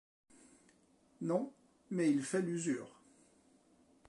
Non, mais il fait l’usure.